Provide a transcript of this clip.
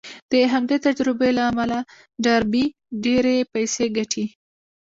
د همدې تجربو له امله ډاربي ډېرې پيسې ګټي.